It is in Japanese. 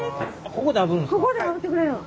ここであぶってくれるん？